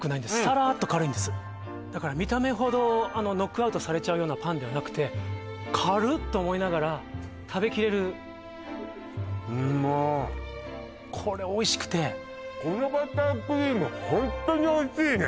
らーっと軽いんですだから見た目ほどノックアウトされちゃうようなパンではなくて「軽っ」と思いながら食べ切れるうんまいこれおいしくてこのバタークリームホントにおいしいね